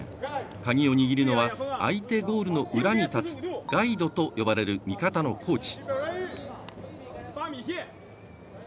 鍵を握るのは相手ゴールの裏に立つガイドと呼ばれる味方のコーチ。